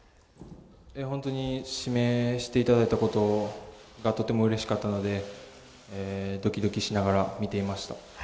本当に指名していただいたことがとてもうれしかったのでドキドキしながら見ていました。